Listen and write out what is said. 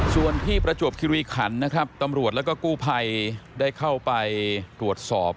ส่วนที่ประจวบคิริขันนะครับตำรวจแล้วก็กู้ภัยได้เข้าไปตรวจสอบ